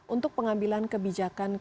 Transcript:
untuk pengambilan kebijaksanaan